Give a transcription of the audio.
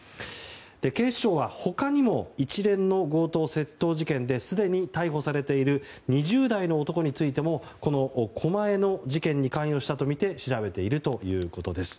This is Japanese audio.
警視庁は他にも一連の強盗・窃盗事件ですでに逮捕されている２０代の男についてもこの狛江の事件に関与したとみて調べているということです。